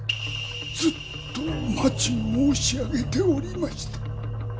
ずっとお待ち申し上げておりました。